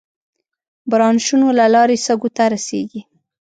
برانشونو له لارې سږو ته رسېږي.